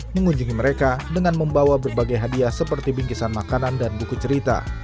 mengunjungi mereka dengan membawa berbagai hadiah seperti bingkisan makanan dan buku cerita